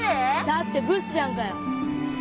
だってブスじゃんかよ。